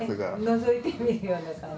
のぞいてみるような感じ。